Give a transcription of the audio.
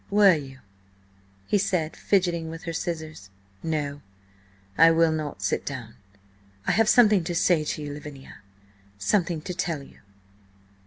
"Were you?" he said, fidgeting with her scissors. "No, I will not sit down. I have something to say to you, Lavinia. Something to tell you."